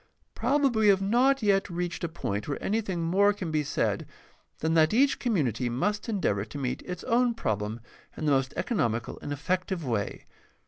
Probably we have not yet reached a point where anything more can be said than that each community must endeavor to meet its own problem in the most economical and effective way.